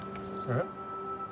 えっ？